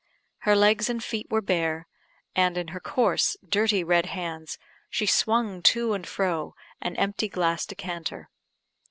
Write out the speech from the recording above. Her legs and feet were bare, and, in her coarse, dirty red hands, she swung to and fro an empty glass decanter.